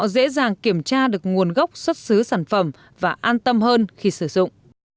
và kiểm tra thông tin